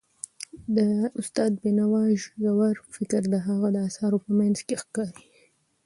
د استاد بینوا ژور فکر د هغه د اثارو په منځ کې ښکاري.